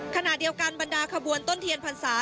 ขณะเดียวกันบรรดาขบวนต้นเทียนพรรษา